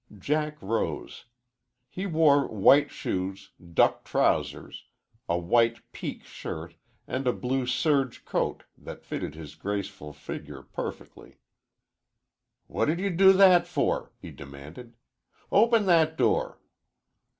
Jack rose. He wore white shoes, duck trousers, a white pique shirt, and a blue serge coat that fitted his graceful figure perfectly. "What did you do that for?" he demanded. "Open that door!"